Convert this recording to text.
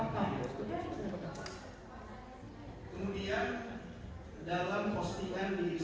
oke saudara saksi